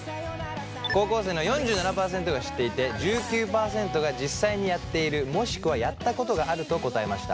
高校生の４７％が知っていて１９％が実際にやっているもしくはやったことがあると答えました。